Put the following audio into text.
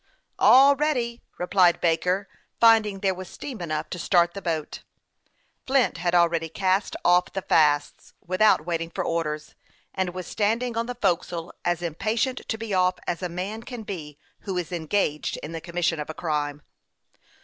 " All ready !" replied Baker, finding there was steam enough to start the boat. Flint had already cast off the fasts, without waiting for orders, and was standing on the forecastle, as impatient to be off as a man can be who is engaged in the commission of a crime.